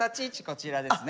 こちらですね。